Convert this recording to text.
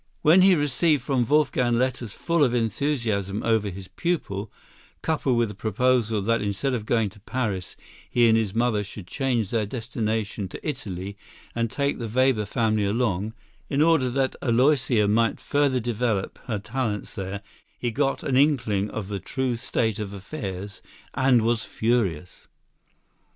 When he received from Wolfgang letters full of enthusiasm over his pupil, coupled with a proposal that instead of going to Paris, he and his mother should change their destination to Italy and take the Weber family along, in order that Aloysia might further develop her talents there, he got an inkling of the true state of affairs and was furious.